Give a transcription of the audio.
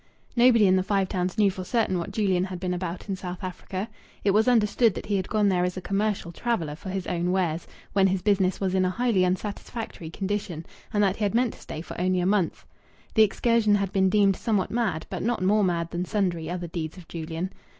Nobody in the Five Towns knew for certain what Julian had been about in South Africa. It was understood that he had gone there as a commercial traveller for his own wares, when his business was in a highly unsatisfactory condition, and that he had meant to stay for only a month. The excursion had been deemed somewhat mad, but not more mad than sundry other deeds of Julian.